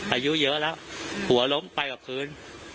อายุเยอะแล้วหัวล้มไปกับพื้น